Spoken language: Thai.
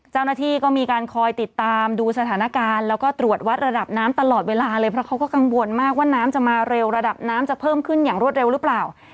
เจ้าหน้าที่ก็มีการคอยติดตามดูสถานการณ์แล้วก็ตรวจวัดระดับน้ำตลอดเวลาเลยเพราะเขาก็กังวลมากว่าน้ำจะมาเร็วระดับน้ำจะเพิ่มขึ้นอย่างรวดเร็วหรือเปล่า